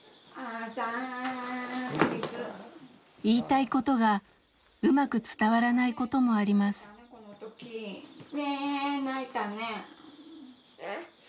言いたいことがうまく伝わらないこともあります。